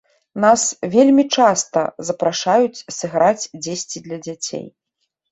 Нас вельмі часта запрашаюць сыграць дзесьці для дзяцей.